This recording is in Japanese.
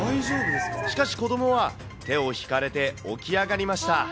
しかし、子どもは手を引かれて起き上がりました。